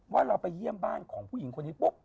ว่าเราไปเยี่ยมบ้านของผู้หญิงคนนี้ปุ๊บ